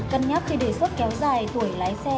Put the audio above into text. cân nhắc khi đề xuất kéo dài tuổi lái xe